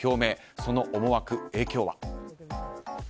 その思惑、影響は？